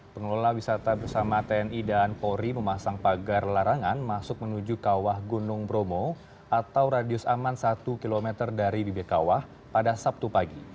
pengelola wisata bersama tni dan polri memasang pagar larangan masuk menuju kawah gunung bromo atau radius aman satu km dari bibit kawah pada sabtu pagi